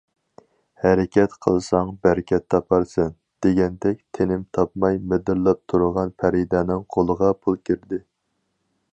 « ھەرىكەت قىلساڭ بەرىكەت تاپارسەن» دېگەندەك، تىنىم تاپماي مىدىرلاپ تۇرغان پەرىدەنىڭ قولىغا پۇل كىردى.